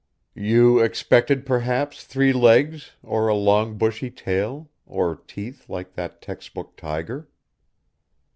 "You expected perhaps three legs or a long bushy tail or teeth like that textbook tiger?"